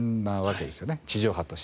地上波としては。